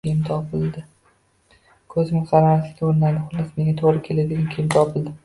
Ko‘zimga qaramaslikka urinardi. Xullas, menga «to‘g‘ri keladigan» kiyim topildi.